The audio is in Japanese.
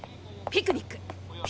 ピクニック？